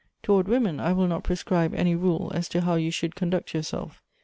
Towards women, I will not prescribe any rule as to how you should conduct yourself.